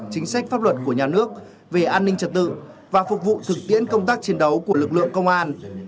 chính sách pháp luật của nhà nước về an ninh trật tự và phục vụ thực tiễn công tác chiến đấu của lực lượng công an